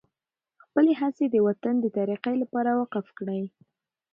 خپلې هڅې د وطن د ترقۍ لپاره وقف کړئ.